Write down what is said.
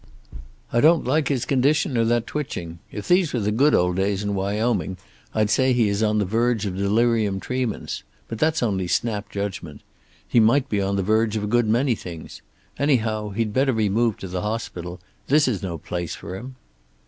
"I don't like his condition, or that twitching. If these were the good old days in Wyoming I'd say he is on the verge of delirium tremens. But that's only snap judgment. He might be on the verge of a good many things. Anyhow, he'd better be moved to the hospital. This is no place for him."